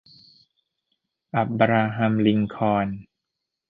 อับราฮัม ลิงคอล์น